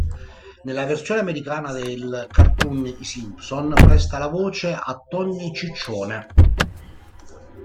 Nella versione americana del cartoon I Simpson presta la voce a Tony Ciccione.